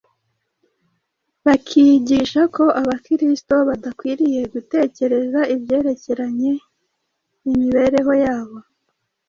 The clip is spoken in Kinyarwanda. bakigisha ko Abakristo badakwiriye gutekereza ibyerekeranye imibereho yabo